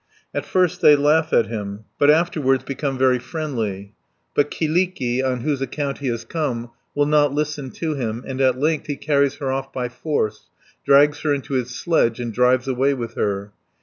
At first they laugh at him, but afterwards become very friendly (111 156). But Kyllikki, on whose account he has come, will not listen to him, and at length, he carries her off by force, drags her into his sledge, and drives away with her (157 222).